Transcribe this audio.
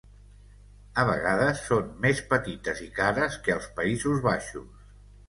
A vegades, són més petites i cares que als Països Baixos.